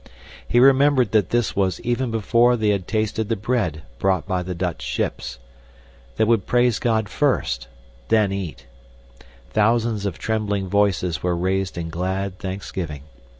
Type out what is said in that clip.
He remembered that this was even before they had tasted the bread brought by the Dutch ships. They would praise God first, then eat. Thousands of trembling voices were raised in glad thanksgiving.